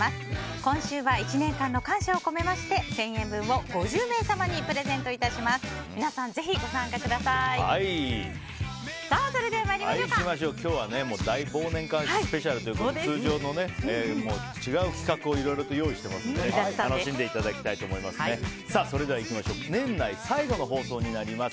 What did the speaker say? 今週は１年間の感謝を込めまして１０００円分を５０名様にプレゼントいたします。